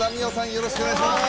よろしくお願いします